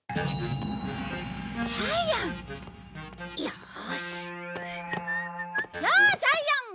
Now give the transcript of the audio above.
やあジャイアン！